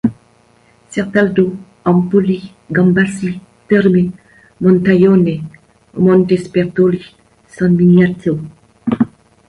Certaldo, Empoli, Gambassi Terme, Montaione, Montespertoli, San Miniato.